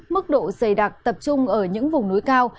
mức độ dày đặc tập trung ở những vùng núi cao